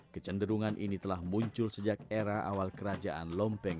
kecenderungan ini telah muncul sejak era awal kerajaan lompeng